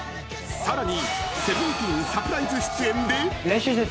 ［さらに］